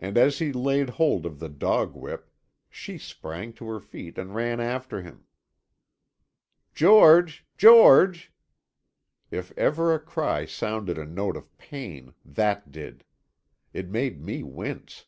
And as he laid hold of the dog whip she sprang to her feet and ran after him. "George, George!" If ever a cry sounded a note of pain, that did. It made me wince.